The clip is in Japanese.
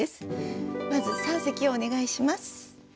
まず三席をお願いします。